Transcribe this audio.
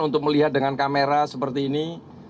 untuk melihat dengan kamera seperti ini